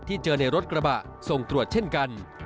เจอในรถกระบะส่งตรวจเช่นกัน